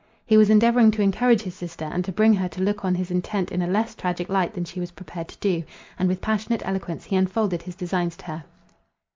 He was endeavouring to encourage his sister, and to bring her to look on his intent in a less tragic light than she was prepared to do; and with passionate eloquence he unfolded his designs to her.